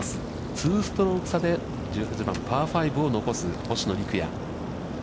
２ストローク差で１８番、パー５を残す星野陸也。